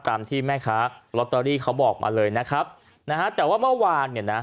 ตามที่แม่ค้าลอตเตอรี่เขาบอกมาเลยนะครับนะฮะแต่ว่าเมื่อวานเนี่ยนะ